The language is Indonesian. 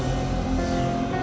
yang gris reda redanyaitate